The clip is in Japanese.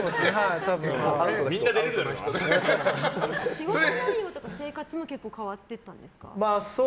仕事内容とか生活も結構変わってたんですか？